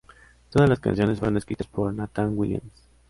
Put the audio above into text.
Todas las canciones fueron escritas por Nathan Williams.